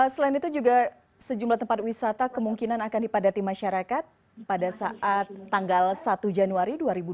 selain itu juga sejumlah tempat wisata kemungkinan akan dipadati masyarakat pada saat tanggal satu januari dua ribu dua puluh